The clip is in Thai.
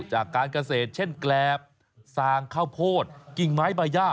จากการเกษตรเช่นแกรบสางข้าวโพดกิ่งไม้ใบย่า